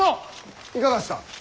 いかがした。